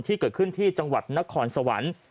ที่เกิดขึ้นที่จังหวัดนครสวรรค์